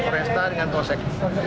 resta dengan tosek